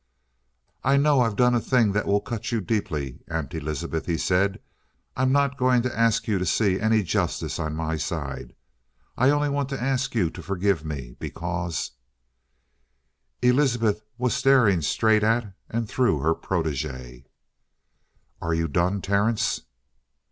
"I know I've done a thing that will cut you deeply, Aunt Elizabeth," he said. "I'm not going to ask you to see any justice on my side. I only want to ask you to forgive me, because " Elizabeth was staring straight at and through her protege. "Are you done, Terence?"